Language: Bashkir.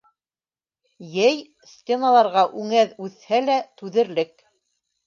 Йәй стеналарға үңәҙ үҫһә лә, түҙерлек.